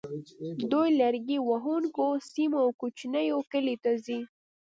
دوی لرګي وهونکو سیمو او کوچنیو کلیو ته ځي